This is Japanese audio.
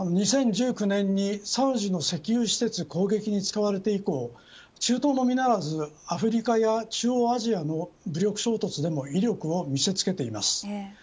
２０１９年にサウジの石油施設攻撃に使われて以降中東のみならずアフリカや中央アジアの武力衝突でも威力を見せつけています。